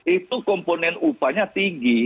itu komponen upahnya tinggi